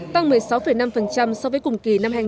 tăng một mươi sáu năm so với cùng kỳ năm hai nghìn một mươi tám